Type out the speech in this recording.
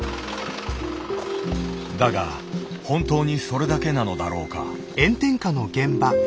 だが本当にそれだけなのだろうか。